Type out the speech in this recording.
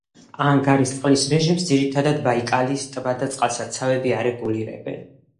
ანგარის წყლის რეჟიმს ძირითადად ბაიკალის ტბა და წყალსაცავები არეგულირებენ.